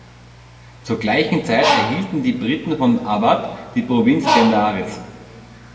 Zur gleichen Zeit erhielten die Briten von Awadh die Provinz Benares.